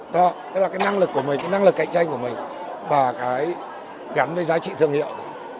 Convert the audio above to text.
đó tức là cái năng lực của mình cái năng lực cạnh tranh của mình và cái gắn với giá trị thương hiệu